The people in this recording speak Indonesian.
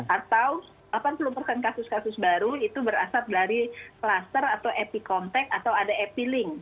atau delapan puluh kasus kasus baru itu berasal dari klaster atau epikontek atau ada epiling